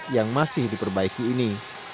yang masih diperbaiki ini